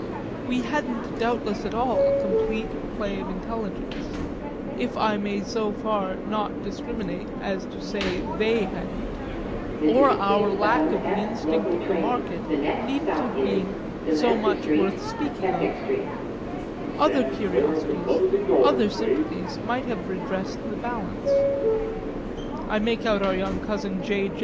We hadn't doubtless at all a complete play of intelligence if I may not so far discriminate as to say they hadn't; or our lack of the instinct of the market needn't have been so much worth speaking of: other curiosities, other sympathies might have redressed the balance. I make out our young cousin J.